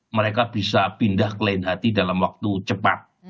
mereka bisa pindah ke lain hati dalam waktu cepat